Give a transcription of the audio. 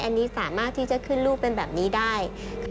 อันนี้สามารถที่จะขึ้นรูปเป็นแบบนี้ได้